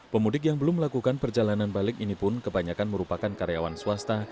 pemudik yang belum melakukan perjalanan balik ini pun kebanyakan merupakan karyawan swasta